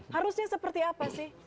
harusnya seperti apa sih